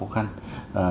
rất là khó khăn